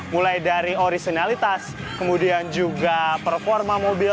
mulai dari originalitas kemudian juga performa mobil